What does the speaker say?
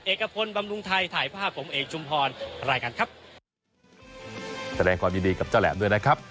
เอกพลบำรุงไทยถ่ายภาพผมเอกชุมพรรายการครับ